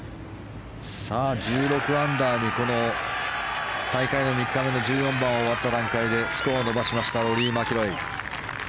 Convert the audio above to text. １６アンダーにこの大会の３日目の１４番が終わった段階でスコアを伸ばしましたローリー・マキロイ。